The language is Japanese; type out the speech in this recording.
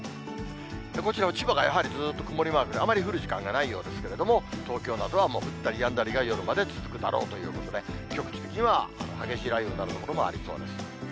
こちらは千葉がやはりずーっと曇りマークで、あまり降る時間がないようですけれども、東京などはもう降ったりやんだりが、夜まで続くだろうということで、局地的には激しい雷雨になる所もありそうです。